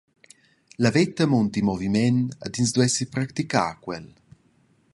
La veta munti moviment ed ins duessi praticar quel.